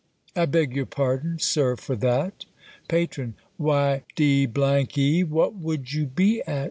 I beg your pardon, Sir, for that. PATRON. Why d e what would you be at?